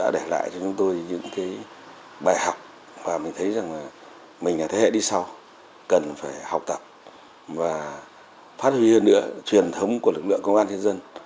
tại chúng tôi những cái bài học và mình thấy rằng là mình là thế hệ đi sau cần phải học tập và phát huy hơn nữa truyền thống của lực lượng công an thiên dân